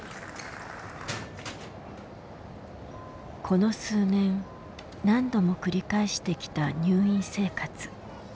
この数年何度も繰り返してきた入院生活。